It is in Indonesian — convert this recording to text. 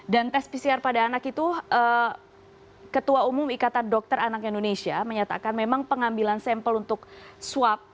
dan tes pcr pada anak itu ketua umum ikatan dokter anak indonesia menyatakan memang pengambilan sampel untuk swab